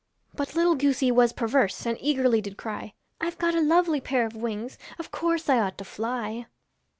But little goosey was perverse, And eagerly did cry, I've got a lovely pair of wings, Of course I ought to fly.'